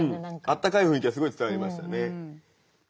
あったかい雰囲気はすごい伝わりましたね。